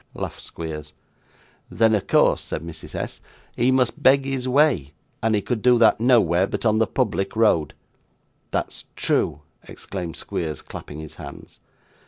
laughed Squeers. 'Then, of course,' said Mrs. S., 'he must beg his way, and he could do that, nowhere, but on the public road.' 'That's true,' exclaimed Squeers, clapping his hands.